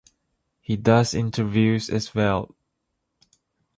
He does interviews as well.